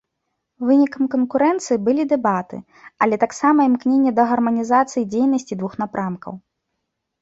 Вынікам канкурэнцыі былі дэбаты, але таксама імкненне да гарманізацыі дзейнасці двух напрамкаў.